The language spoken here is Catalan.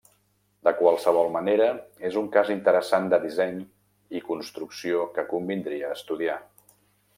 De qualsevol manera és un cas interessant de disseny i construcció que convindria estudiar.